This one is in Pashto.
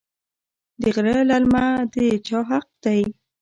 د غره للمه د چا حق دی؟